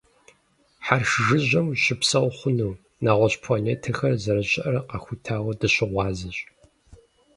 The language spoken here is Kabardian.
Хьэрш жыжьэм ущыпсэу хъуну, нэгъуэщӀ планетэхэр зэрыщыӀэр къахутауэ дыщыгъуазэщ.